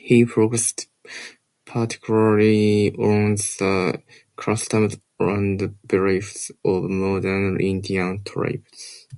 He focused particularly on the customs and beliefs of modern Indian tribes.